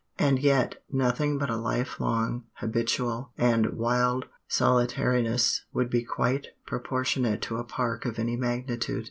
And yet nothing but a life long, habitual, and wild solitariness would be quite proportionate to a park of any magnitude.